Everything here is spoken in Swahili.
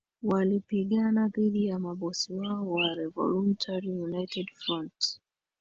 walipigana dhidi ya mabosi wao wa Revolutionary United Front